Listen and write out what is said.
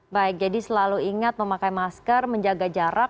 baik jadi selalu ingat memakai masker menjaga jarak